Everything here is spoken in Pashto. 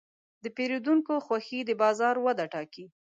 د پیرودونکو خوښي د بازار وده ټاکي.